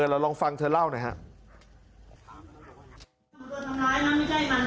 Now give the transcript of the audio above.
เราลองฟังเธอเล่านะครับ